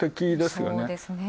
そうですね。